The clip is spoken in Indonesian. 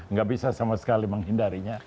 nggak bisa sama sekali menghindarinya